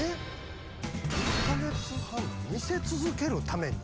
１カ月半見せ続けるために？